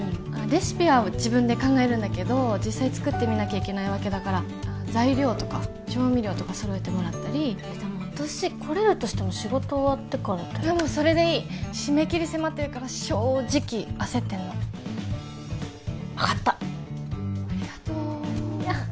レシピは自分で考えるんだけど実際作ってみなきゃいけないわけだから材料とか調味料とか揃えてもらったりでも私来れるとしても仕事終わってからだよもうそれでいい締め切り迫ってるから正直焦ってんの分かったありがとういや